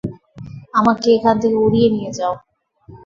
আমাকে এখান থেকে উড়িয়ে নিয়ে যাও।